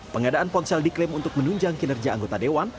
pengadaan ponsel diklaim untuk menunjang kinerja anggota dewan